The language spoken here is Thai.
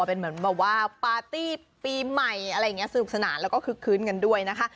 เป็นเหมือนแบบว่าปาร์ตี้ปีใหม่อะไรอย่างนี้สนุกสนานแล้วก็คึกคืนกันด้วยนะคะ